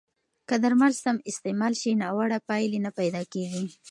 که درمل سم استعمال شي، ناوړه پایلې نه پیدا کېږي.